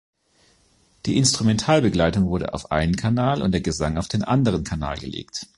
Die Instrumentalbegleitung wurde auf einen Kanal und der Gesang auf den anderen Kanal gelegt.